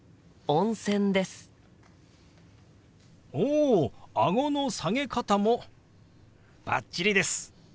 おあごの下げ方もバッチリです。